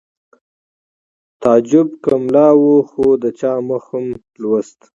تعجب که ملا و خو د چا مخ هم لوست